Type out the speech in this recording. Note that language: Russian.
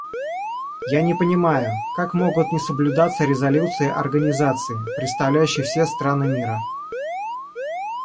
Я не понимаю, как могут не соблюдаться резолюции организации, представляющей все страны мира?